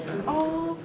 ああ